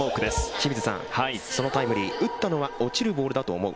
清水さん、そのタイムリー打ったのは落ちるボールだと思う。